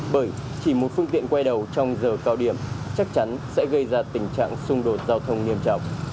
bởi chỉ một phương tiện quay đầu trong giờ cao điểm chắc chắn sẽ gây ra tình trạng xung đột giao thông nghiêm trọng